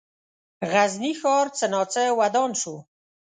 غزني ښار څه ناڅه ودان شو.